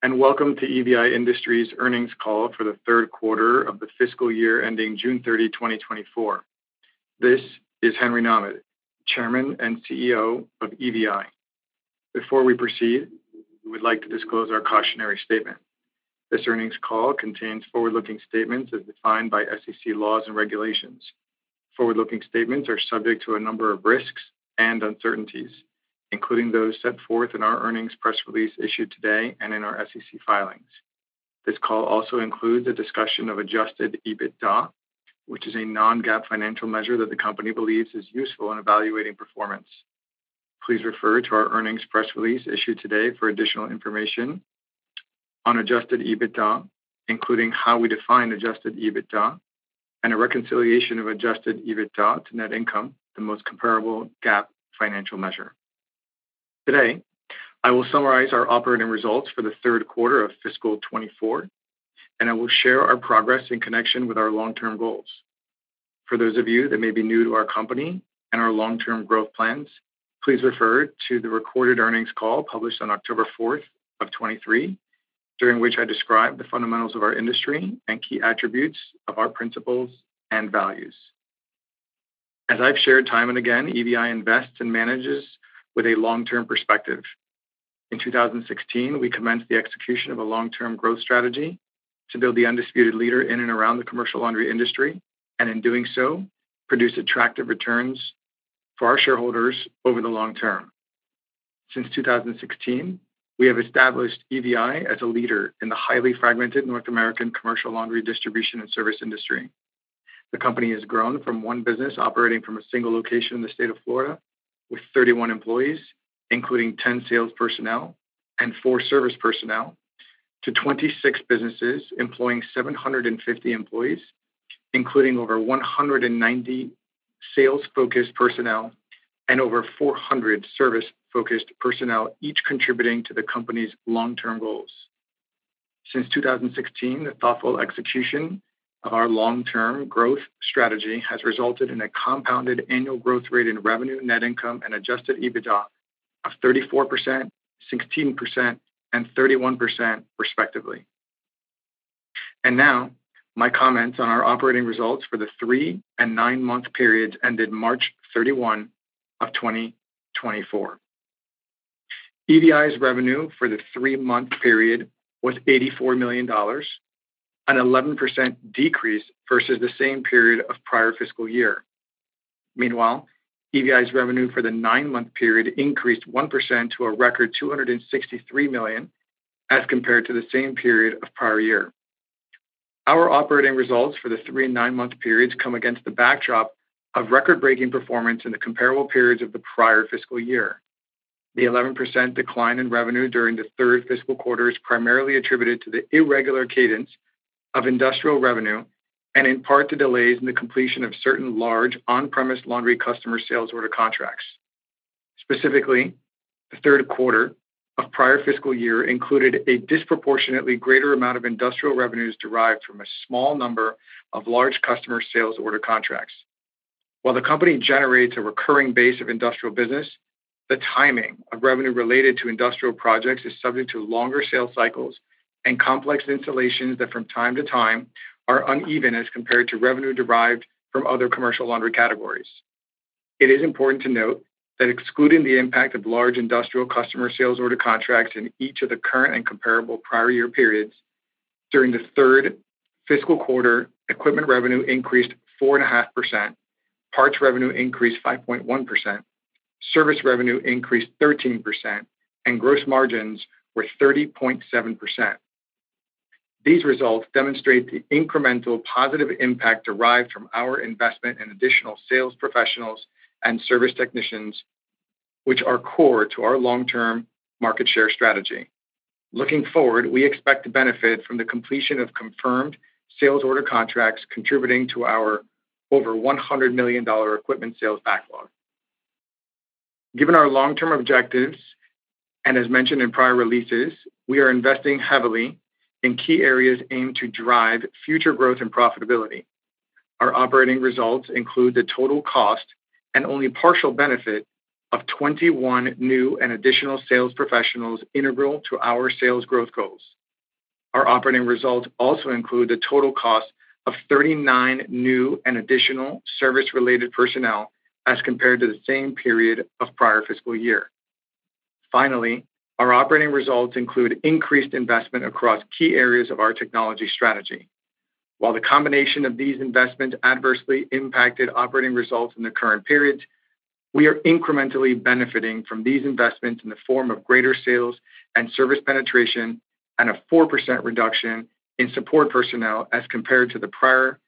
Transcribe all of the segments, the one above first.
Hello and welcome to EVI Industries' earnings call for the third quarter of the fiscal year ending June 30, 2024. This is Henry Nahmad, Chairman and CEO of EVI. Before we proceed, we would like to disclose our cautionary statement. This earnings call contains forward-looking statements as defined by SEC laws and regulations. Forward-looking statements are subject to a number of risks and uncertainties, including those set forth in our earnings press release issued today and in our SEC filings. This call also includes a discussion of Adjusted EBITDA, which is a non-GAAP financial measure that the company believes is useful in evaluating performance. Please refer to our earnings press release issued today for additional information on Adjusted EBITDA, including how we define Adjusted EBITDA and a reconciliation of Adjusted EBITDA to net income, the most comparable GAAP financial measure. Today, I will summarize our operating results for the third quarter of fiscal 2024, and I will share our progress in connection with our long-term goals. For those of you that may be new to our company and our long-term growth plans, please refer to the recorded earnings call published on October 4th of 2023, during which I describe the fundamentals of our industry and key attributes of our principles and values. As I've shared time and again, EVI invests and manages with a long-term perspective. In 2016, we commenced the execution of a long-term growth strategy to build the undisputed leader in and around the commercial laundry industry and, in doing so, produce attractive returns for our shareholders over the long term. Since 2016, we have established EVI as a leader in the highly fragmented North American commercial laundry distribution and service industry. The company has grown from one business operating from a single location in the state of Florida with 31 employees, including 10 sales personnel and 4 service personnel, to 26 businesses employing 750 employees, including over 190 sales-focused personnel and over 400 service-focused personnel, each contributing to the company's long-term goals. Since 2016, the thoughtful execution of our long-term growth strategy has resulted in a compounded annual growth rate in revenue, net income, and adjusted EBITDA of 34%, 16%, and 31%, respectively. Now my comments on our operating results for the three and nine-month periods ended March 31 of 2024. EVI's revenue for the three-month period was $84 million, an 11% decrease versus the same period of prior fiscal year. Meanwhile, EVI's revenue for the nine-month period increased 1% to a record $263 million as compared to the same period of prior year. Our operating results for the three- and nine-month periods come against the backdrop of record-breaking performance in the comparable periods of the prior fiscal year. The 11% decline in revenue during the third fiscal quarter is primarily attributed to the irregular cadence of industrial revenue and, in part, the delays in the completion of certain large on-premise laundry customer sales order contracts. Specifically, the third quarter of prior fiscal year included a disproportionately greater amount of industrial revenues derived from a small number of large customer sales order contracts. While the company generates a recurring base of industrial business, the timing of revenue related to industrial projects is subject to longer sales cycles and complex installations that, from time to time, are uneven as compared to revenue derived from other commercial laundry categories. It is important to note that, excluding the impact of large industrial customer sales order contracts in each of the current and comparable prior year periods, during the third fiscal quarter, equipment revenue increased 4.5%, parts revenue increased 5.1%, service revenue increased 13%, and gross margins were 30.7%. These results demonstrate the incremental positive impact derived from our investment in additional sales professionals and service technicians, which are core to our long-term market share strategy. Looking forward, we expect to benefit from the completion of confirmed sales order contracts contributing to our over $100 million equipment sales backlog. Given our long-term objectives and, as mentioned in prior releases, we are investing heavily in key areas aimed to drive future growth and profitability. Our operating results include the total cost and only partial benefit of 21 new and additional sales professionals integral to our sales growth goals. Our operating results also include the total cost of 39 new and additional service-related personnel as compared to the same period of prior fiscal year. Finally, our operating results include increased investment across key areas of our technology strategy. While the combination of these investments adversely impacted operating results in the current periods, we are incrementally benefiting from these investments in the form of greater sales and service penetration and a 4% reduction in support personnel as compared to the prior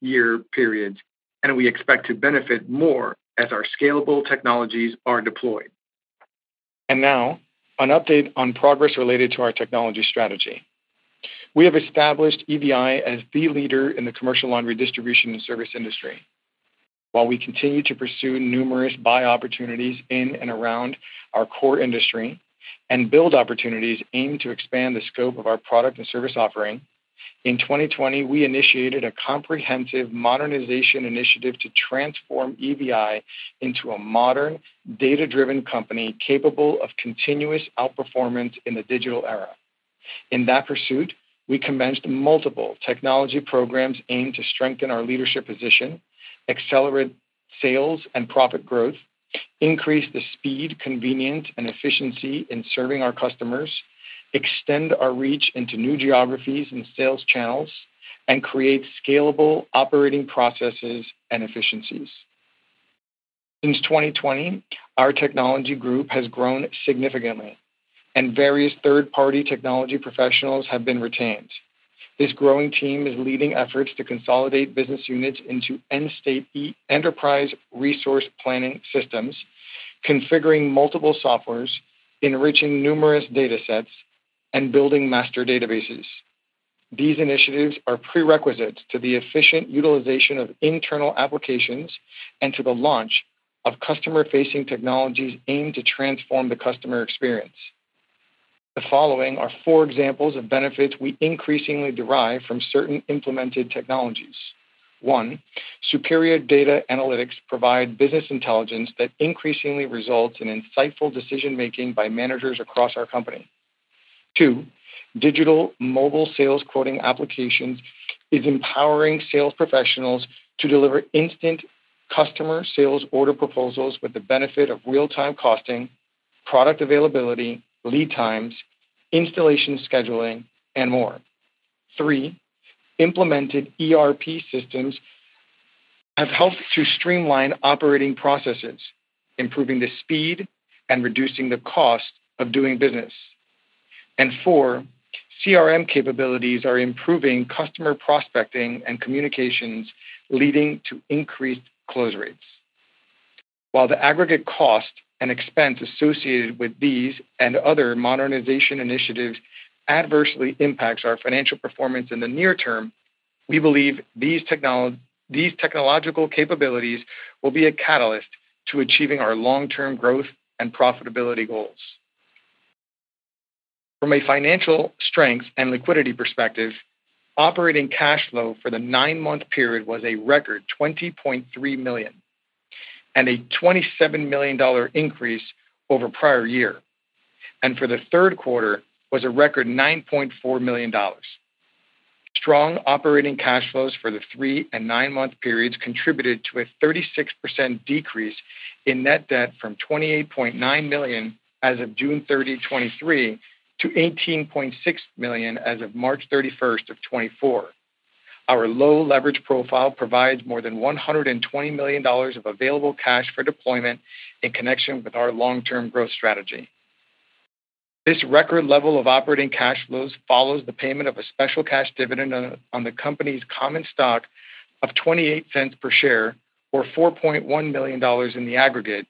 year periods, and we expect to benefit more as our scalable technologies are deployed. Now, an update on progress related to our technology strategy. We have established EVI as the leader in the commercial laundry distribution and service industry. While we continue to pursue numerous buy opportunities in and around our core industry and build opportunities aimed to expand the scope of our product and service offering, in 2020, we initiated a comprehensive modernization initiative to transform EVI into a modern, data-driven company capable of continuous outperformance in the digital era. In that pursuit, we commenced multiple technology programs aimed to strengthen our leadership position, accelerate sales and profit growth, increase the speed, convenience, and efficiency in serving our customers, extend our reach into new geographies and sales channels, and create scalable operating processes and efficiencies. Since 2020, our technology group has grown significantly, and various third-party technology professionals have been retained. This growing team is leading efforts to consolidate business units into end-state enterprise resource planning systems, configuring multiple softwares, enriching numerous data sets, and building master databases. These initiatives are prerequisites to the efficient utilization of internal applications and to the launch of customer-facing technologies aimed to transform the customer experience. The following are four examples of benefits we increasingly derive from certain implemented technologies. One, superior data analytics provide business intelligence that increasingly results in insightful decision-making by managers across our company. Two, digital mobile sales quoting applications are empowering sales professionals to deliver instant customer sales order proposals with the benefit of real-time costing, product availability, lead times, installation scheduling, and more. Three, implemented ERP systems have helped to streamline operating processes, improving the speed and reducing the cost of doing business. And four, CRM capabilities are improving customer prospecting and communications, leading to increased close rates. While the aggregate cost and expense associated with these and other modernization initiatives adversely impact our financial performance in the near term, we believe these technological capabilities will be a catalyst to achieving our long-term growth and profitability goals. From a financial strength and liquidity perspective, operating cash flow for the nine-month period was a record $20.3 million and a $27 million increase over prior year. For the third quarter, it was a record $9.4 million. Strong operating cash flows for the three and nine-month periods contributed to a 36% decrease in net debt from $28.9 million as of June 30, 2023, to $18.6 million as of March 31st, 2024. Our low leverage profile provides more than $120 million of available cash for deployment in connection with our long-term growth strategy. This record level of operating cash flows follows the payment of a special cash dividend on the company's common stock of $0.28 per share, or $4.1 million in the aggregate,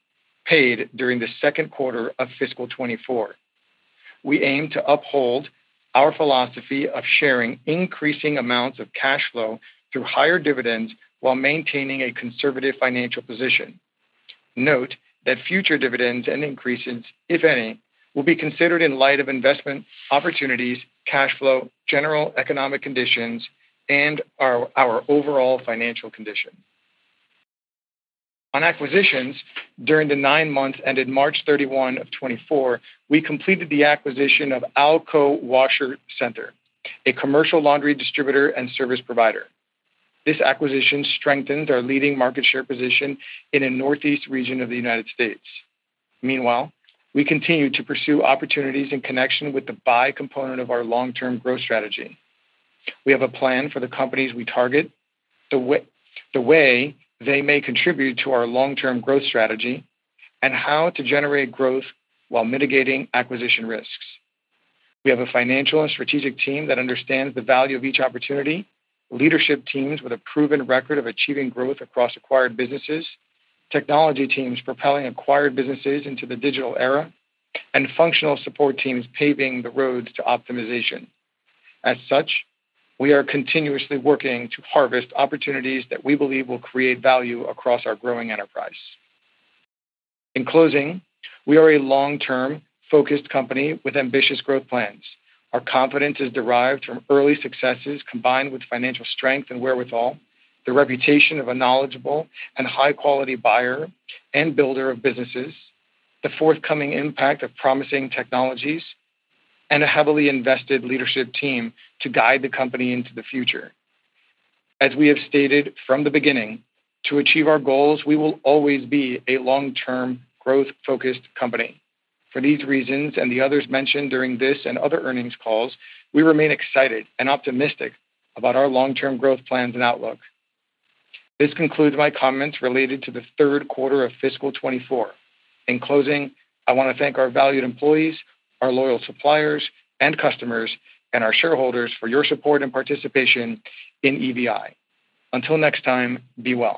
paid during the second quarter of fiscal 2024. We aim to uphold our philosophy of sharing increasing amounts of cash flow through higher dividends while maintaining a conservative financial position. Note that future dividends and increases, if any, will be considered in light of investment opportunities, cash flow, general economic conditions, and our overall financial conditions. On acquisitions, during the nine months ended March 31, 2024, we completed the acquisition of Alco Washer Center, a commercial laundry distributor and service provider. This acquisition strengthens our leading market share position in the Northeast region of the United States. Meanwhile, we continue to pursue opportunities in connection with the buy component of our long-term growth strategy. We have a plan for the companies we target, the way they may contribute to our long-term growth strategy, and how to generate growth while mitigating acquisition risks. We have a financial and strategic team that understands the value of each opportunity, leadership teams with a proven record of achieving growth across acquired businesses, technology teams propelling acquired businesses into the digital era, and functional support teams paving the roads to optimization. As such, we are continuously working to harvest opportunities that we believe will create value across our growing enterprise. In closing, we are a long-term focused company with ambitious growth plans. Our confidence is derived from early successes combined with financial strength and wherewithal, the reputation of a knowledgeable and high-quality buyer and builder of businesses, the forthcoming impact of promising technologies, and a heavily invested leadership team to guide the company into the future. As we have stated from the beginning, to achieve our goals, we will always be a long-term growth-focused company. For these reasons and the others mentioned during this and other earnings calls, we remain excited and optimistic about our long-term growth plans and outlook. This concludes my comments related to the third quarter of fiscal 2024. In closing, I want to thank our valued employees, our loyal suppliers and customers, and our shareholders for your support and participation in EVI. Until next time, be well.